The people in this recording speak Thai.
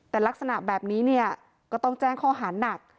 แต่ลักษณะแบบนี้เนี่ยก็ต้องแจ้งข้อหานัก